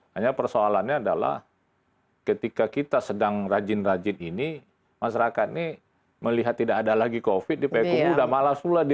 hanya persoalannya adalah ketika kita sedang rajin rajin ini masyarakat ini melihat tidak ada lagi covid di payakumbu sudah malas pula